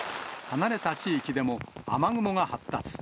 離れた地域でも雨雲が発達。